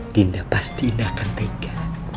dinda pasti indah ketika